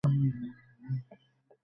আপনি পুলিশকে জিজ্ঞেস করতে পারেন।